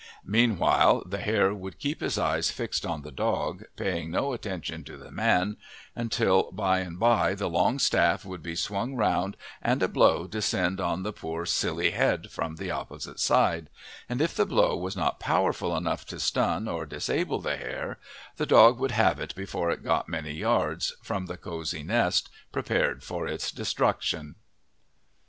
Meanwhile the hare would keep his eyes fixed on the dog, paying no attention to the man, until by and by the long staff would be swung round and a blow descend on the poor, silly head from the opposite side, and if the blow was not powerful enough to stun or disable the hare, the dog would have it before it got many yards from the cosy nest prepared for its destruction.